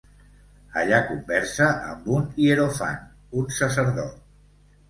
Allà conversa amb un hierofant, un sacerdot.